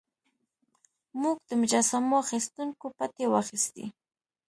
موږ د مجسمو اخیستونکو پتې واخیستې.